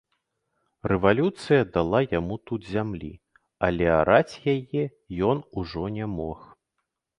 Рэвалюцыя дала яму тут зямлі, але араць яе ён ужо не мог.